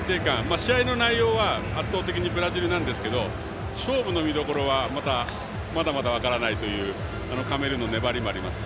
試合の内容は圧倒的にブラジルなんですが勝負の見どころはまだまだ分からないというカメルーンの粘りもありますし。